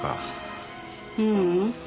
ううん。